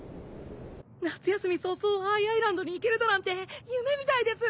夏休み早々Ｉ・アイランドに行けるだなんて夢みたいです！